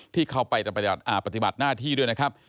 ที่เขาไปปฏิบัติหน้าที่ด้วยนะครับ